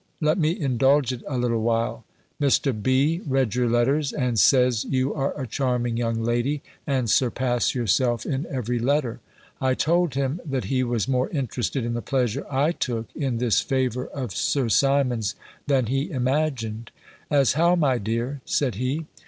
Let me indulge it a little while. Mr. B. read your letters, and says, you are a charming young lady, and surpass yourself in every letter. I told him, that he was more interested in the pleasure I took in this favour of Sir Simon's than he imagined. "As how, my dear?" said he.